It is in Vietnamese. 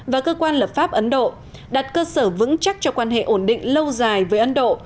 và cơ quan lập pháp ấn độ đặt cơ sở vững chắc cho quan hệ ổn định lâu dài với ấn độ